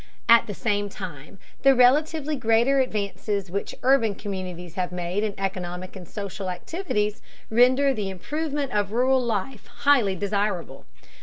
At the same time the relatively greater advances which urban communities have made in economic and social activities render the improvement of rural life highly desirable.